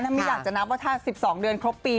ไม่อยากจะนับว่าถ้า๑๒เดือนครบปี